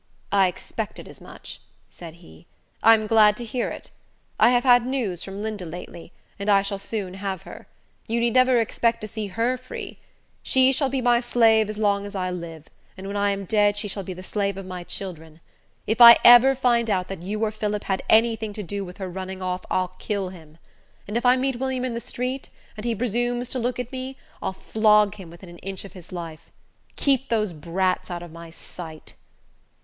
"I expected as much," said he. "I am glad to hear it. I have had news from Linda lately, and I shall soon have her. You need never expect to see her free. She shall be my slave as long as I live, and when I am dead she shall be the slave of my children. If I ever find out that you or Phillip had anything to do with her running off I'll kill him. And if I meet William in the street, and he presumes to look at me, I'll flog him within an inch of his life. Keep those brats out of my sight!"